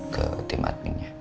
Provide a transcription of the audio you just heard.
ke tim adminnya